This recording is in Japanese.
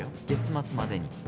月末までに。